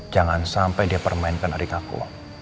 jangan sampai dia permainkan adik aku